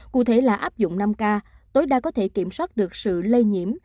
cụ thể là áp dụng năm k tối đa có thể kiểm soát được sự lây nhiễm